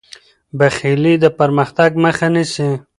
بخیلي د پرمختګ مخه نیسي.